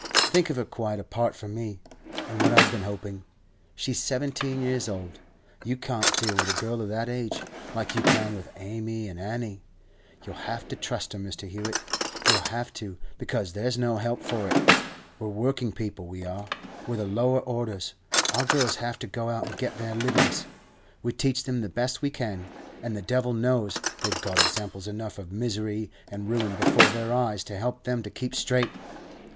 Think of her quite apart from me, and what I've been hoping. She's seventeen years old. You can't deal with a girl of that age like you can with Amy and Annie. You'll have to trust her, Mr. Hewett. You'll have to, because there's no help for it. We're working people, we are; we're the lower orders; our girls have to go out and get their livings. We teach them the best we can, and the devil knows they've got examples enough of misery and ruin before their eyes to help them to keep straight.